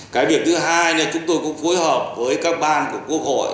cái việc thứ hai là chúng tôi cũng phối hợp với các ban của quốc hội